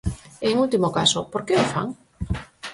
E en último caso, por que o fan?